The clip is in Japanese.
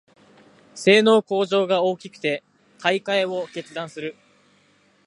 性能向上が大きくて買いかえを決断する